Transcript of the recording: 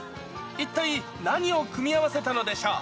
一体、何を組み合わせたのでしょう？